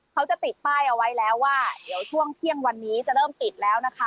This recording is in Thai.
เขาจะติดป้ายเอาไว้แล้วว่าเดี๋ยวช่วงเที่ยงวันนี้จะเริ่มปิดแล้วนะคะ